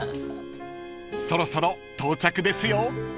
［そろそろ到着ですよ］